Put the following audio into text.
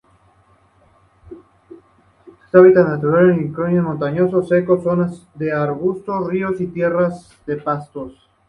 Sus hábitats naturales incluyen montanos secos, zonas de arbustos, ríos y tierras de pastos.